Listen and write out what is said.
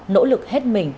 nỗ lực hết mình